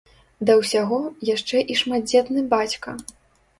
Да ўсяго, яшчэ і шматдзетны бацька.